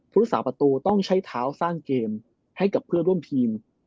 รักษาประตูต้องใช้เท้าสร้างเกมให้กับเพื่อนร่วมทีม